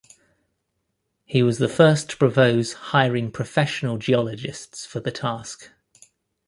He was the first to propose hiring professional geologists for the task.